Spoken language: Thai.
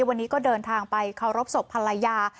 วันนี้ก็เดินทางไปเคารพศพภรรยา